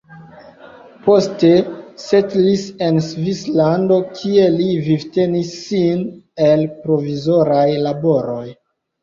Poste setlis en Svislando, kie li vivtenis sin el provizoraj laboroj.